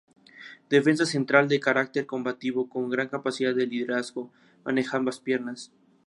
Defensa central de carácter combativo con gran capacidad de Liderazgo, maneja ambas piernas.